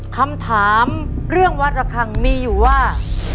คำถามเรื่องวัดระคังมีอยู่ว่า